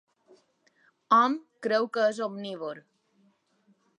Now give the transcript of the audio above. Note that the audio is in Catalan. Hom creu que és omnívor.